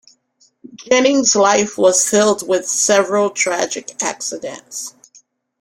Jennings' life was filled with several tragic accidents.